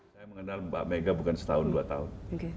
saya mengenal mbak mega bukan setahun dua tahun